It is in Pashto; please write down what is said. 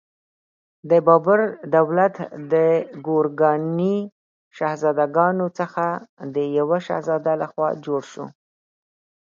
د بابر دولت د ګورکاني شهزادګانو څخه د یوه شهزاده لخوا جوړ شو.